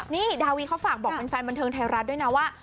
นี่ดาวีเขาฝากบอกเป็นแฟนบันเทิงไทยรัฐด้วยนะว่า